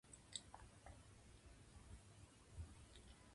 ご飯が食べたい